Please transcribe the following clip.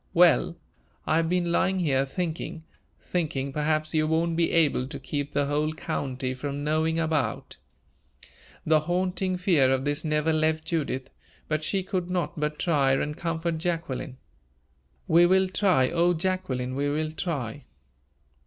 Well, I have been lying here thinking, thinking, perhaps you won't be able to keep the whole county from knowing about " The haunting fear of this never left Judith, but she could not but try and comfort Jacqueline. "We will try O Jacqueline, we will try!"